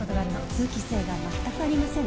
通気性が全くありませんね。